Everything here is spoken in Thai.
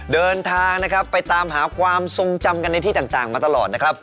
เดินทางไปตามหาความทรงจำกันในที่ต่างมาตลอด